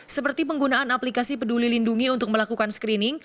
seperti penggunaan aplikasi peduli lindungi untuk melakukan screening